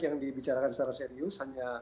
yang dibicarakan secara serius hanya